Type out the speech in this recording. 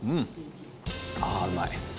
あうまい！